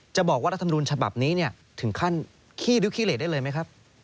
บอกว่ารัฐมนุนฉบับนี้ถึงขั้นขี้ริ้วขี้เลสได้เลยไหมครับ